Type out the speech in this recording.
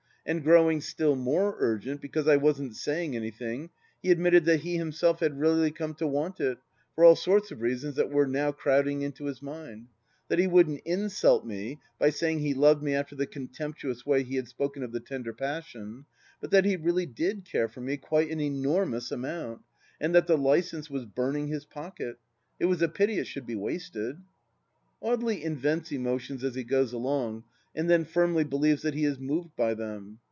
And growing still more urgent, because I wasn't saying anything, he admitted that he himself had really come to want it, for all sorts of reasons that were now crowding into his mind; that he wouldn't insult me by saying he loved me after the contemptuous way he had spoken of the tender passion, but that he really did care for me quite an enormous amount ... and that the licence was burning his pocket ... it was a pity it should be wasted. ... Audely invents emotions as he goes along and then firmly believes that he is moved by them.